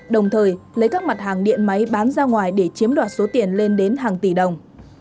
đồng thời lấy các mặt hàng điện máy bán ra ngoài để chiếm đoạt số tiền lên đến hàng tỷ đồng